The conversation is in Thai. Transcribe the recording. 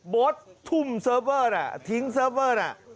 บททุ่มเซอร์เฟอร์ทิ้งเซอร์เฟอร์